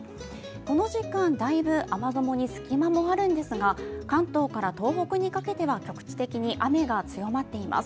この時間だいぶ雨雲に隙間もあるんですが関東から東北にかけては局地的に雨が強まっています。